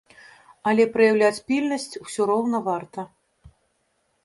Але праяўляць пільнасць ўсё роўна варта.